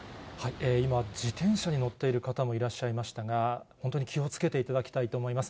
今、自転車に乗っている方もいらっしゃいましたが、本当に気をつけていただきたいと思います。